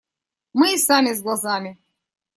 Мы и сами с глазами.